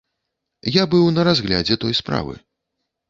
Я быў на разглядзе той справы.